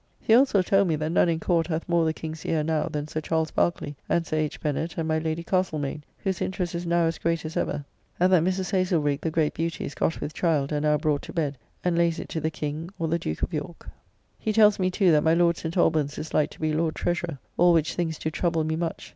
He also told me that none in Court hath more the King's ear now than Sir Charles Barkeley, and Sir H. Bennet, and my Lady Castlemaine, whose interest is now as great as ever and that Mrs. Haslerigge, the great beauty, is got with child, and now brought to bed, and lays it to the King or the Duke of York. [The child was owned by neither of the royal brothers. B.] He tells me too that my Lord St. Albans' is like to be Lord Treasurer: all which things do trouble me much.